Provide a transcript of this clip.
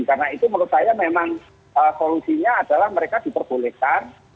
karena itu menurut saya memang solusinya adalah mereka diperbolehkan